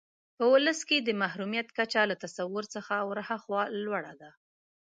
په ولس کې د محرومیت کچه له تصور څخه ورهاخوا لوړه ده.